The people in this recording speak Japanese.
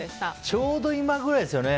ちょうど今くらいですよね。